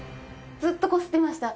ずっとこすってました。